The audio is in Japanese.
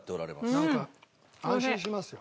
なんか安心しますよ。